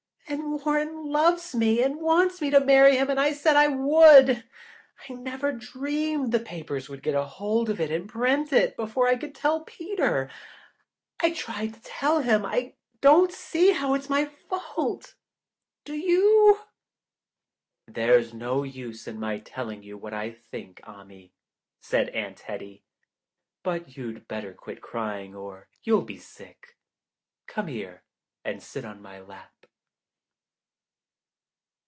And Warren loves me and wants me to marry him and I said I would. I never dreamed the papers would get hold of it and print it before I could tell Peter. I tried to tell him. I don't see how it's my fault, do you?" "There's no use my telling you what I think, Ammie," said Aunt Hettie, "but you better quit crying or you'll be sick. Come here and sit on my lap."